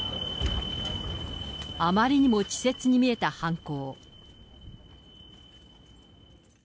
あまりにも稚拙に見えた犯行。